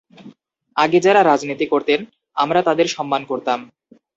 আগে যাঁরা রাজনীতি করতেন, তাঁদের আমরা সম্মান করতাম।